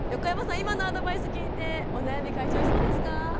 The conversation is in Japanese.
今のアドバイス聞いてお悩み解消しそうですか？